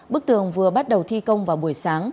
bức tường vừa bắt đầu thi công vào buổi sáng